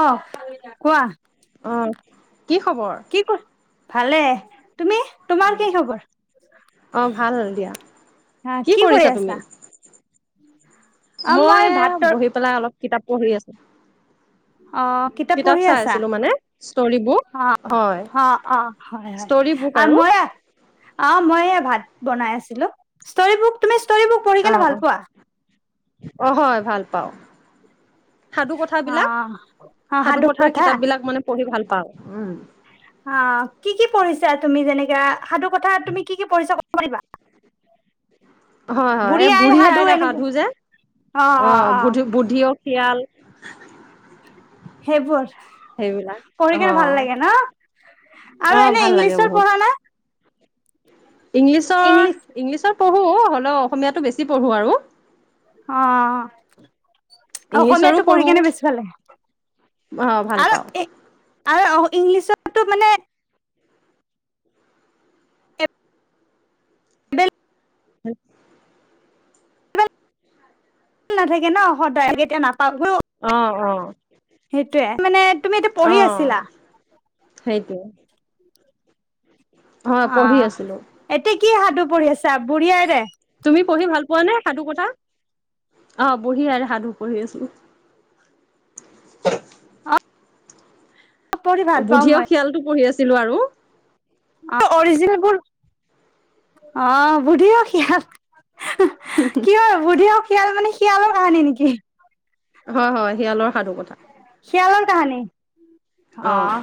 অ কোৱা। আহ, কি খবৰ। কি ক ভালে, তুমি তোমাৰ কি খবৰ। অ ভাল দিয়া, আহ কি কৰি কৰিছা আছা তুমি। অ', মই ভাতৰ বহি পেলাই অলপ কিতাপ পঢ়ি আছো। অ', কিতাপ পঢ়ি চাই আছা আছিলো মানে, ষ্টৰি বুক অ', হয়। অ', অ', হয়, হয় ষ্টৰি বুক আৰু। মই অ মই ভাত, বনাই আছিলো ইচতৰিবুক তুমি। ষ্টৰি বুক পঢ়ি অ কেনে ভাল অ পোৱা অ হয় ভাল পাও। সাধু কথাবিলাক, অ', অ', সাধু কথাৰ কথা কিতাপ বিলাক মানে পঢ়ি ভাল পাওঁ। অঁ কি কি পঢ়িছা তুমি যেনেকা সাধু কথা তুমি কি কি পঢ়িছা। কৰিব। হয় হয়, এই বুঢ়ী হে আই এনেকে সাধু যে, অ', অ', অঁ বু অ', বুদ্ধি অঁ। শিয়াল। সেইবোৰ, সেইবিলাক পঢ়ি কেনে ভাল অ', লাগে ন। আৰু অ', এনে ভাল লাগে ইংলিছৰ বহুত। পঢ়া না। ইংলিছৰ, ইংলিছ ইংলিছত পঢ়ো হ'লেও অসমীয়াটো বেছি পঢ়ো আৰু। অঁ। ইংলিছৰো অসমীয়াতটো পঢ়ি পঢ়ো। কেনে বেছি ভালে অ', ভাল আৰু। পাওঁ। আৰু ইংলিছতো মানে। এভেইলেবল হ। নাথাকে ন সদায় এতিয়া নাপাওঁ। অঁ অঁ। সেইটোয়ে মানে তুমি এতিয়া পঢ়ি অ', আছিলা। সেইটোৱে। হয়, পঢ়ি অঁ আছিলোঁ। এতিয়া কি সাধু পৰি আছা বুঢ়ী আইৰে। তুমি পঢ়ি ভাল পোৱা নে সাধু কথা, অ বঢ়ি আৰু সাধু পঢ়ি আছো। অঁ। বুধীয়ে শিয়ালটো পঢ়ি আছিলো আৰু। অৰিজিনেৰ অঁ বুধি অ স। কি হয় বুদ্ধি হওঁক শিয়াল মানে শিয়ালৰ কাহানী নেকি হয় হয় শিয়ালৰ সাধু কথা। শিয়ালৰ কাহানি। অ', অঁ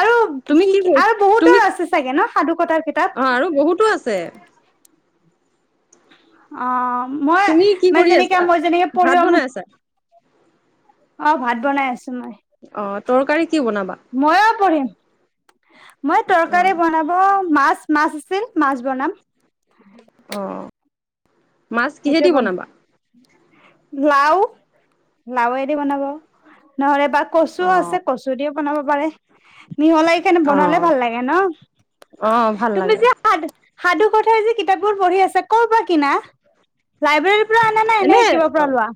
আৰু তুমি কি কি কৰি আৰু তুমি বহুতৰ আছে চাগে ন সাধু কথাৰ কিতাপ। অ', আৰু বহুতো আছে। অঁ। মই তুমি কি মানে কৰি যেনেকে আছা? মই যেনেকে ভাত পঢ়িব ম। বনাই আছা? অঁ ভাত বনাই আছে। অঁ তৰকাৰী কি বনাবা। মইয়ো পঢ়িম মই অ', তৰকাৰী বনাব মাছ। মাছ আছিল, মাছ বনাম। অঁ মাছ কিহেদি বনাবা। লাওঁ লাওঁ এ দি বনাব নহ'লে বা কচুও আছে অ', কচু দিও বনাব পাৰে মিহলাই কিনে বনালে ভাল লাগে ন অঁ ভাল তুমি লাগে। যে সাধু সাধু কথাই যে কিতাপবোৰ পঢ়ি আছে কৰপৰা কিনা লাইব্ৰেৰীৰ পৰা আনা নে এনে কিবা পৰা অঁ লোৱা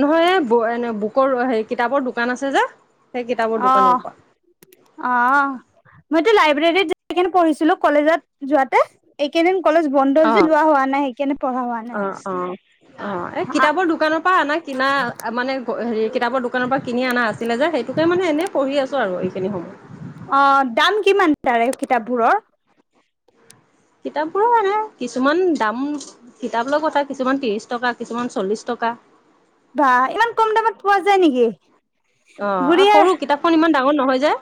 নহয়। ব এনে বুকৰ হে কিতাপৰ দোকান আছে যে সেই কিতাপৰ দোকানৰ পৰা। অঁ মইতো লাইব্ৰেৰীত যনে পঢ়িছিলো কলেজত যোৱাতে এইকেইদিন। কলেজ বন্ধ যে অঁ যোৱা হোৱা নাই সেইকাৰণে পঢ়া হোৱা নাই অঁ অঁ অঁ এই কিতাপৰ দোকানৰ পৰা অনা কিনা মানে হেৰি কিতাপৰ দোকানৰ পৰা কিনি অনা আছিলে যে সেইটোকে মানে এনেই পঢ়ি আছোঁ আৰু এইখিনি সময় অঁ দাম কিমান তাৰে কিতাপবোৰৰ। কিতাপ বোৰো এনে কিছুমান দাম কিতাপলৈ কথা কিছুমান ত্ৰিশ টকা, কিছুমান চল্লিশ টকা- থকা। বা ইমান কম দামত পোৱা যায় নেকি! অঁ সৰু কিতাপখন ইমান ডাঙৰ নহয় যে।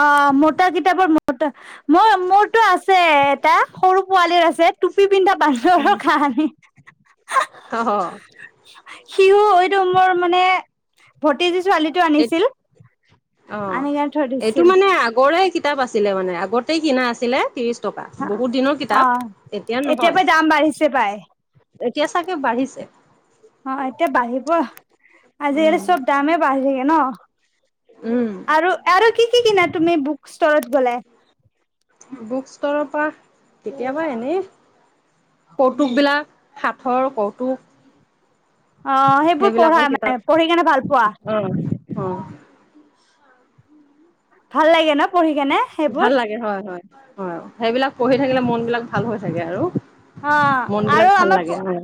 অঁ মোটা কিতাপ মটা। মই মোৰতটো আছে এটা সৰু পোৱালিৰ আছে টুপি পিন্ধা বান্দৰৰ কাহানি অঁ। সিও এইটো মোৰ মানে ভতিজি ছোৱালীটো এই আনিছিল অ আনি কেনে থৈ এইটো দিছিল। মানে আগৰে কিতাপ আছিলে মানে আগতেই কিনা আছিলে ত্ৰিশ টকা বহুত দিনৰ কিতাপ অ' এতিয়া নহয় পাই দাম বাঢ়িছে পাই। এতিয়া চাগে বাঢ়িছে অ এতিয়া বাঢ়িব আজিকালি উম চব দামেই বাঢ়ি থাকে ন উম আৰু আৰু কি কি কিনা তুমি বুক ষ্টৰত গ'লে বুক ষ্টৰৰ পৰা কেতিয়াবা এনেই কৌতুক বিলাক সাথঁৰ কৌতুক অ' সেইবোৰ পঢ়া সেইবিলাকৰ মানে পঢ়ি কেনে ভাল পোৱা কিতাপ আহ অ ভাল লাগে ন পঢ়ি কেনে ভাল সেইবোৰ লাগে হয় হয় হয় সেইবিলাক পঢ়ি থাকিলে মন বিলাক ভাল হৈ থাকে আৰু অ মন বিলাক আৰু ভাল আমাৰ লাগে হয়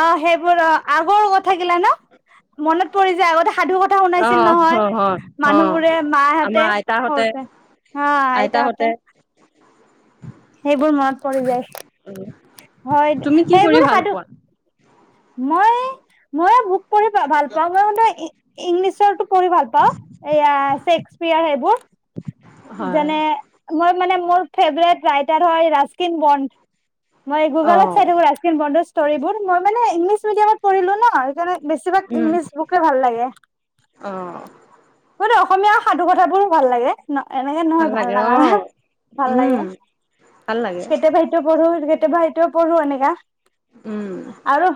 অ সেইবোৰ অ আগৰ কথা গিলা ন মনত পৰি যায় আগতে সাধু কথা অ শুনাইছিল নহয় হয় হয় অ মানুহ বোৰে আমাৰ মাহঁতে আইতাহঁতে সৰুতে হা আইতাহঁতে সেইবোৰ মনত পৰি যায় হয় তুমি কি কৰি সেইবোৰ ভাল সাধু পোৱা মই মই বুক পঢ়ি ভাল পাওঁ ইংলিছটো পঢ়ি ভাল পাওঁ ক্সেচপিয়েৰ সেইবোৰ হয় যেনে মই মানে মোৰ ফেভাৰিত ৰাইটাৰ হয় ৰাস্কিন্মদ মই অ গুগলত চাই থাকো ৰাস্কিন বণ্ড ইষ্টৰিবোৰ মই মানে ইংলিছ মিডিয়ামত পঢ়িলো ন বেছিভাগ উম ইংলিছ বুকে ভাল লাগে অ অসমীয়া সাধু কথাবোৰো ভাল লাগে ন এনেকে নহয় ভাল লাগে অ নালাগা ভাল উম লাগে ভাল লাগে কেতিয়াবাইতো পঢ়ো কেতিয়াবা এতিয়া পঢ়ো এনেকা উম আৰু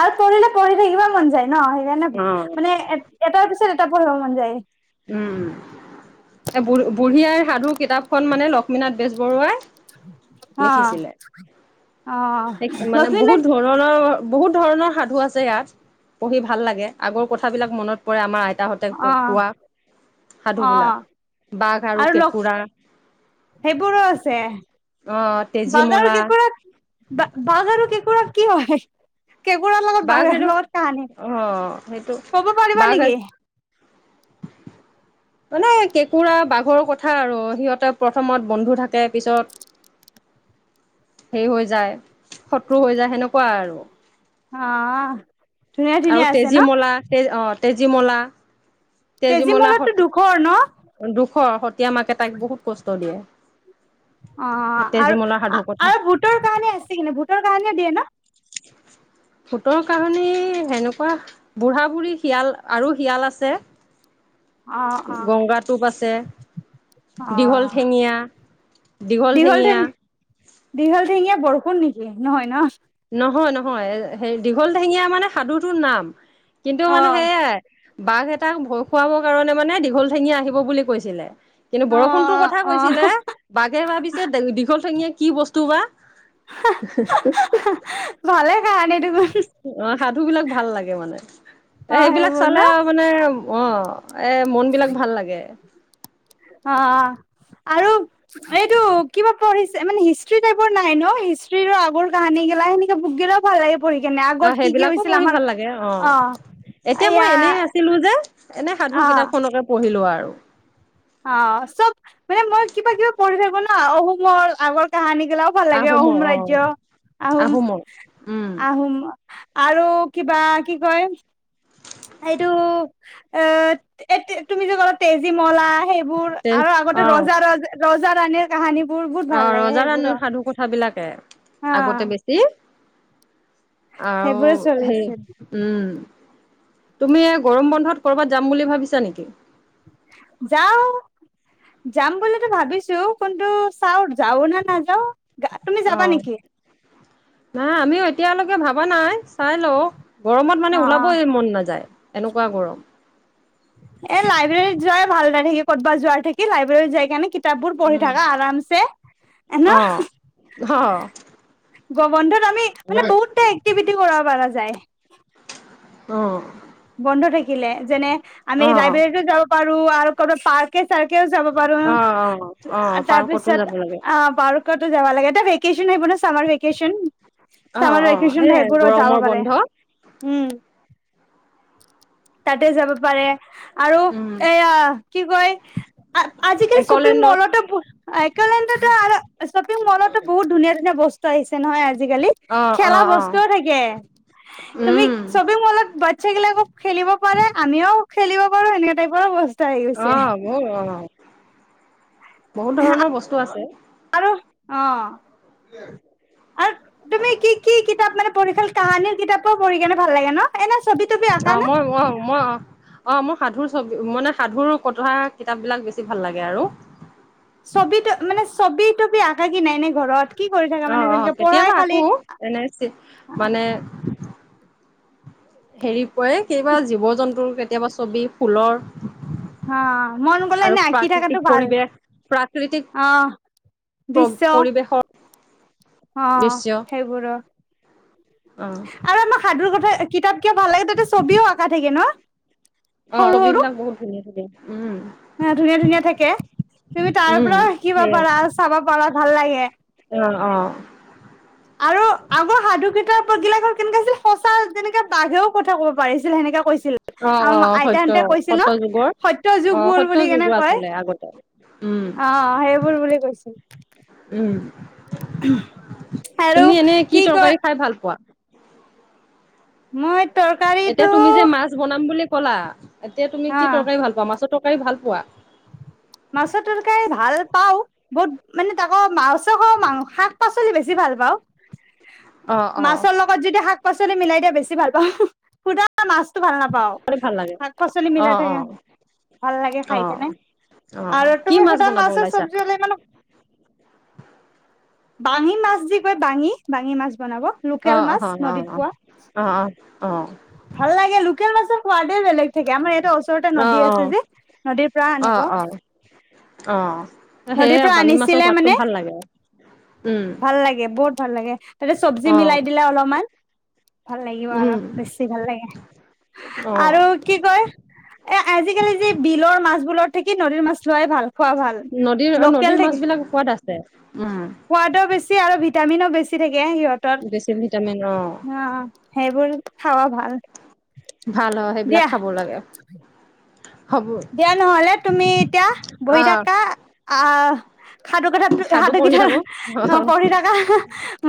আৰু পঢ়িলে পঢ়ি থাকিবা মন যায় ন সেইকাৰণে অ', মানে এটাৰ পিছত আকৌ পঢ়িব মন যায় উম এ বুঢ়ী আইৰ সাধু কিতাপখন মানে লক্ষ্মীনাথ বেজবৰুৱাই অহ এক মানে বহুত ধৰণৰ বহুত ধৰণৰ সাধু আছে ইয়াত পঢ়ি ভাল লাগে আগৰ কথা বিলাক মনত পৰে আমাৰ আইতা আইতাহঁতে অ কোৱা সাধু অ বিলাক বাঘ আৰু কেঁকোৰা সেইবোৰো আছে অ', বাঘ আৰু তেজীমলা কেকোৰা বা বাঘ আৰু কেঁকোৰা কি হয় কেকোৰাৰ লগত বাঘ লগত কাহানী অ', সেইটো কব পাৰিবা বাঘ নেকি [inaudible] মানে কেঁকুৰা বাঘৰ কথা আৰু সিহঁতে প্ৰথমত বন্ধু থাকে পিছত [inaudible] সেই হৈ যায় শত্ৰু হৈ যায় সেনেকুৱা আৰু হ আৰু তেজীমলা তে অ তেজীমলা তেজী তেজীমলা মলততো দুখৰ ন স দুখৰ সতীয়া মাকে তাইক বহুত কষ্ট দিয়ে অ আৰু তেজীমলা সাধু কথা আৰু ভূতৰ কাহানী আছে কি ন ভূতৰ কাহানিয় দিয়ে ন [inaudible] ভূতৰ কাহণী সেনেকুৱা বুঢ়া বুঢ়ী শিয়াল আৰু শিয়াল আছে গংগা টোপ আছে দীঘল অহ ঠেঙীয়া দীঘল ঠেঙীয়া দীঘলঠেঙীয়া দীঘলঠেঙীয়া বৰষুণ নেকি নহয় ন নহয় নহয় সেই দীঘল ঠেঙীয়া মানে সাধুটোৰ নাম কিন্তু অ মানে সেইয়াই বাঘ এটাক ভয় খুৱাব কাৰণে মানে দীঘল ঠেঙীয়া আহিব বুলি কৈছিলে। কিন্তু অ বৰষুণটোৰ কথা অ কৈছিলে, অ' বাঘে ভাবিছে দেও - দীঘল ঠেঙীয়া কি বস্তু বা। হ ভালে কাহানীটো। অ' সাধু বিলাক ভাল লাগে মানে অ সেইবিলাক সেইবোৰ ন চালে আৰু মানে অ'। এ মন বিলাক ভাল লাগে। অ'। আৰু এইটো কিবা পঢ়িছে মানে হিষ্ট্ৰি টাইপৰ নাহে ন' হিষ্ট্ৰীৰো আগৰ কাহানী গেলা সেনিকা বুক গিলাও ভাল লাগে পঢ়ি কেনে অ আগত কি কি সেইবিলাকো হৈছিল পঢ়ি আমাৰ, ভাল লাগে অ'। এতিয়া মই এয়া এনেই আছিলো যে এনে সাধু অ কিতাপখনকে পঢ়িলো আৰু। অ' চব মানে মই কিবা কিবা পঢ়ি থাকো ন অহুমৰ আগৰ কাহানী গিলাও ভাল লাগে আহোমৰ অহুম অ ৰাজ্য, আহোম, আহোমৰ উম আহোম আৰু কিবা কি কয় এইটো অ এ তি - তুমি যে ক'লা তেজী মলা সেই বোৰ তে আৰু আগতে অ ৰজা - ৰজা - ৰজা ৰাণীৰ কাহানী অ' ৰজা ৰানীৰ সাধু কথাবিলাকে হা আগতে বেছি আৰু সেইবোৰে হেই, চলিছিল উম। তুমি গৰম বন্ধত কৰবাত যাম বুলি ভাবিছা নেকি? যাও। যাম বুলিতো ভাবিছোঁ কুন্তু চাও যাওঁ না নাযাওঁ। গা তুমি যাবা অ নেকি? নাই আমিও এতিয়ালৈকে ভাবা নাই। চাই লওঁ, গৰমত মানে অ', অ'। ওলাবই মন নাযায়। এনেকুৱা গৰম। এ লাইব্ৰেৰীত যোৱাই ভাল তাতথাকি ক'তবা যোৱাৰ থাকি লাইব্ৰেৰীত যাই কেনে কিতাপ বোৰ পঢ়ি থাকা আৰামছে, এহ অ', অ', নহ? অ', গ'বন্ধত আমি মানে বহুতটা এক্টিভিটি কৰবা পাৰা যায়। অ'। বন্ধ থাকিলে যেনে আমি অ', লাইব্ৰেৰীতো যাব পাৰো, আৰু কৰবা পাৰ্কে চাৰ্কেও যাব পাৰোঁ, অ', অ', আ অ', পাৰ্কতো যাব তাৰপিছত লাগে অ পাৰ্কতো যাবা লাগে তে ভেকেচন আহিব না চামাৰ ভেকেচন। অ', চামাৰ অ', ভেকেচন সেইয়াই সেইবোৰত যাব গৰমৰ পাৰে। বন্ধ উম। তাতে যাব পাৰে আৰু উম, এয়া কি কয় আ - আজিকালি শ্বপিং একলেণ্ডত মলতে [unintelligible] এক'লেণ্ডতে আৰ শ্বপিং মলতো বহুত ধুনীয়া ধুনীয়া বস্তু আহিছে নহয় আজি আজিকালি অ', খেলা অ', অ', বস্তুও থাকে তুমি উম, শ্বপিং মলত বাচ্ছা গিলাকক ব পাৰে আমিও খেলিব পাৰো সেনেকা টাইপৰো বচ‌ অ' মোৰ অ' বহুত ধৰণৰ বস্তু আছে অ'। আৰু আৰু তুমি কি কি কিতাপ মানে পঢ়িছাল কাহানীৰ কিতাপক পঢ়ি কেনে ভাল লাগে‌ এনেছ অ' মই অ মই অ অ মই সাধুৰ ছবি মানে সাধুৰ কথা কিতাপ বিলাক বেছি ভাল লাগে আৰু। ছবি তো মানে ছবি তবি আকাই কিনে নে ঘৰত? কি কৰি থাকা মানে অ', অ', যেনেকে পঢ়াই কেতিয়াবা খালি আকো এনে মানে হেৰি পৰে কেতিয়াবা জীৱ- জন্তুৰ, কেতিয়াবা ছবি, ফুলৰ হা মন গ'লে আৰু এনে আঁকি থাকাটো প্ৰাকৃতিক ভাল পৰিৱেশ প্ৰাকৰিতিক অ', প্ৰ দৃশ্য - পৰিৱেশৰ অ' দৃশ্য সেইবোৰো। অ আৰু আমাক সাধুৰ কথা কিতাপ কিয় ভাল লাগে তাতে ছবিও আঁকা থাকে ন? অ' ছবিবিলাক বহুত ধুনীয়া ধুনীয়া। হ ধুনীয়া ধুনীয়া থাকে। তুমি তাৰ উম পৰাও শিকিব সেইয়াই পাৰা, চাবা পাৰা ভাল লাগে। অ অ আৰু আগৰ সাধুকেইটাৰ পগিলা ঘৰ কেনেকে আছিল সঁচা তেনেকা বাঘেও কব পাৰিছিল সেনেকাে কৈছিল। অ অ আৰু সত্য আইতাহঁতে কৈছিলে সত্ৰ যুগৰ সত্য অ যুগ বোৰ সত্ৰ বুলি কেনে যুগৰ কয়। আছিলে আগতে উম অ সেইবোৰ বুলি কৈছো। উম [unintelligible] আৰু তুমি এনে কি কয় তৰকাৰী খাই ভাল পোৱা মই এতিয়া তৰকাৰীটো তুমি যে মাছ বনাম বুলি ক'লা। এতিয়া তুমি কি অ', তৰকাৰী ভাল পা মাছৰ তৰকাৰী ভাল পোৱা? মাছ তৰ্কাৰি ভালপাওঁ, বহুত মানে আকৌ মাছ খা শাক-পাচলি বেছি ভাল পাওঁ। অ মাছৰ অ লগত যদি শাক পাচলি মিলাই দিয়া বেছি ভাল পাওঁ শোদা মাছ ভাল নাপাওঁ ভাল লাগে শাক পাচলি অ মিলাই থাকে অ ভাল লাগে খাই অ কিনে। অ আৰু কি তুমি মাছ সুদা বনাব মাছৰ ওলাইছা চব্জি হ'লে ইমান বাঙি মাছ য কয় বাঙি বাঙি মাছ বনাব অ লোকেল মাছ অ অ নদীত পোৱা অ অ অ অ ভাল লাগে লোকেল মাছৰ সোৱাদে বেলেগ থাকে, আমাৰ য়া ওচৰতে নদী আছে যে, নদীৰ পৰা অ অ আনিব। অ অ নদীৰ সেয়ে পৰা বামী মাছৰ আনিছিলে সোৱাদটো মানে? ভাল লাগে উম ভাল লাগে বহুত ভাল লাগে তাতে চব্জি অ মিলাই দিলে অলপমান ভাল লাগিব আৰু আৰু উম বেছি ভাল লাগে। অ আৰু কি কয় এ আজিকালি যে বিলৰ মাছবোৰত থাকি নদীৰ মাছ লোৱাই ভাল। খোৱা ভাল। নদীৰ লোকেল নদীৰ মাছ বিলাক সোৱাদ আছে উম। সহত বেছি আৰু ভিটামিনো বেছি থাকে সিহঁতৰ বেছি ভিটামিন অ অৱ সেইবোৰ খাৱা ভাল ভাল হয় সেইবিলাক দিয়া খাব লাগে। হ'ব দিয়া নহলে তুমি এতিয়া বহি আহ থাকা, আহ সাধু কথাত সাধু পঢ়ি সাধুকঠাৰ থাকো অ পঢ়ি থকা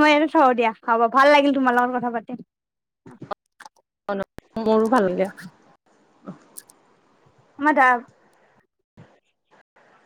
মই থওঁ দিয়া হ'ব ভাল লাগিল তোমাৰ লগত কথা পাতি মোৰো ভাল লাগিল। [unintelligible]